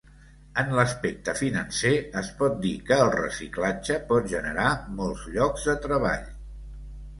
En l'aspecte financer, es pot dir que el reciclatge pot generar molts llocs de treball.